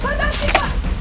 gak ada sih pak